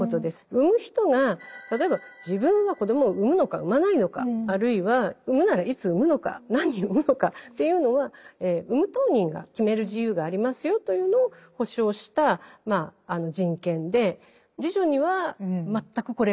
産む人が例えば自分が子供を産むのか産まないのかあるいは産むならいつ産むのか何人産むのかっていうのは産む当人が決める自由がありますよというのを保障した人権で侍女には全くこれがありません。